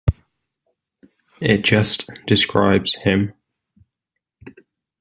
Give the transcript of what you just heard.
It just describes him.